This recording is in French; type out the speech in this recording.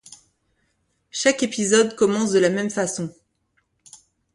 Chaque épisode commence de la même façon.